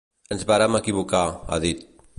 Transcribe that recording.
Ens vàrem equivocar, ha dit.